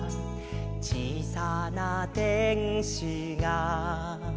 「小さなてんしが」